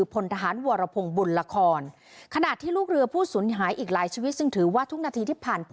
๕พลทหารอัครเดชโพบัตร